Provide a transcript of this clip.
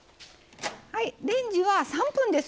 レンジは３分です。